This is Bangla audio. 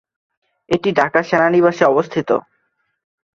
এটি ঢাকা সেনানিবাসে অবস্থিত।